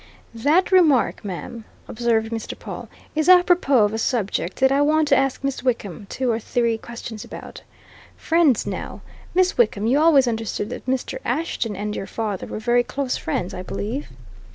"That remark, ma'am," observed Mr. Pawle, "is apropos of a subject that I want to ask Miss Wickham two or three questions about. Friends, now? Miss Wickham, you always understood that Mr. Ashton and your father were very close friends, I believe?"